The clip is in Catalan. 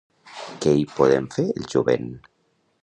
Què hi podem fer el jovent?.